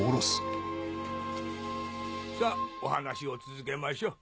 さぁお話を続けましょう。